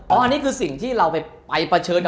โอนี่คือสิ่งที่เราไปประเฉิน